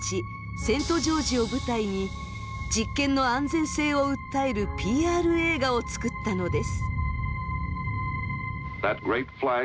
セントジョージを舞台に実験の安全性を訴えるＰＲ映画を作ったのです。